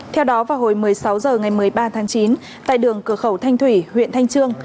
theo đó vào hồi một mươi sáu h ngày một mươi ba tháng chín tại đường cửa khẩu thanh thủy huyện thanh trương